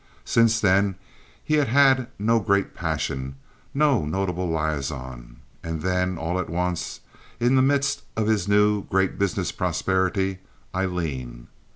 Since then he had had no great passion, no notable liaison; and then, all at once, in the midst of his new, great business prosperity, Aileen.